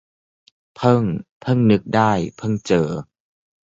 เพิ่ง - เพิ่งนึกได้ เพิ่งเจอ